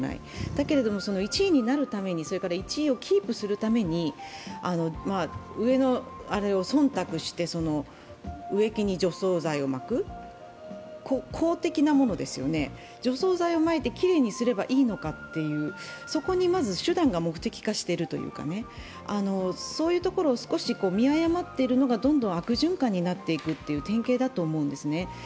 だけれども、１位になるためにそれから１位をキープするために上のあれをそんたくして植木に除草剤をまく、公的なものですよね、除草剤をまいてきれいにすればいいのかという、そこにまず手段が目的化しているというかね、そういうところを少し見誤っているのがどんどん悪循環になっていくという典型だと思うんですね。